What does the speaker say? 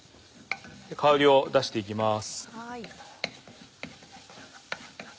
香りを出していきます。